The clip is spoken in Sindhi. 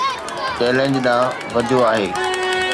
چئلينج ڏانهن وڌيو آهي